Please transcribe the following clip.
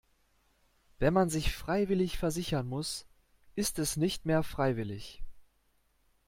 Wenn man sich freiwillig versichern muss, ist es nicht mehr freiwillig.